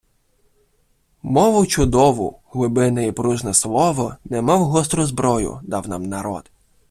Мову чудову, глибинне і пружне слово, немов гостру зброю, дав нам народ